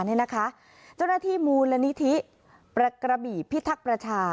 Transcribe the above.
เจ้าหน้าที่มูลนิธิกระบี่พิทักษ์ประชา